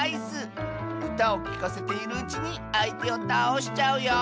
うたをきかせているうちにあいてをたおしちゃうよ。